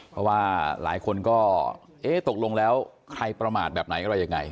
เพราะว่าหลายคนก็เอ๊ะตกลงแล้วใครประมาทแบบไหนอะไรยังไง